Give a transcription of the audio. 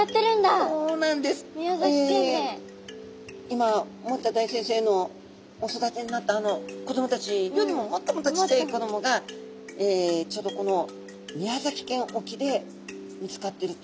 今森田大先生のお育てになったあの子どもたちよりももっともっとちっちゃい子どもがちょうどこの宮崎県沖で見つかってるという。